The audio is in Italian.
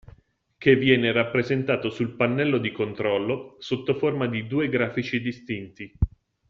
Che viene rappresentato sul pannello di controllo sottoforma di due grafici distinti.